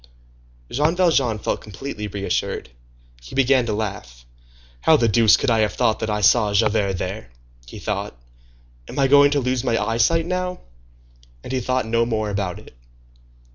Jean Valjean felt completely reassured. He began to laugh. "How the deuce could I have thought that I saw Javert there?" he thought. "Am I going to lose my eyesight now?" And he thought no more about it.